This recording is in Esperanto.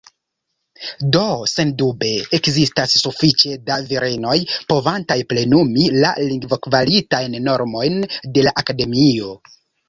Do, sendube ekzistas ”sufiĉe da virinoj” povantaj plenumi la lingvokvalitajn normojn de la Akademio.